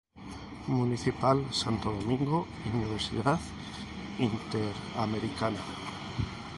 Municipal Santo Domingo y Universidad Interamericana.